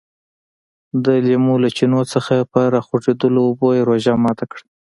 د لیمو له چینو څخه په راخوټېدلو اوبو یې روژه ماته کړه.